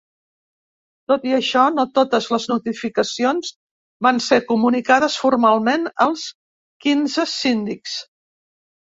Tot i això, no totes les notificacions van ser comunicades formalment als quinze síndics.